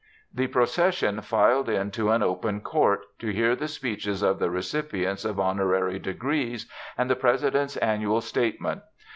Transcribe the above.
The procession filed in to an open court, to hear the speeches of the recipients of honorary degrees, and the President's annual statement.